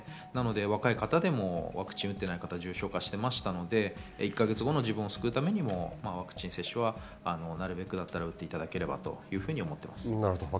若い方でもワクチンを打っていない方、重症化していますので、１か月後の自分を救うためにワクチン接種は、なるべくだったら打っていただければと思っています。